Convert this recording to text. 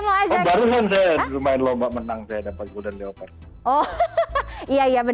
baru saja saya bermain lomba menang saya dapat bulan depan